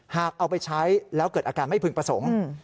เอาไปใช้แล้วเกิดอาการไม่พึงประสงค์